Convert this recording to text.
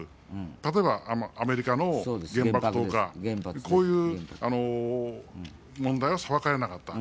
例えばアメリカの原爆投下、こういう問題は裁かれなかった。